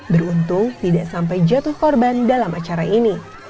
beruntung tidak sampai jatuh korban dalam acara ini